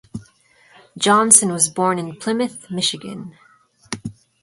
Johnson was born in Plymouth, Michigan.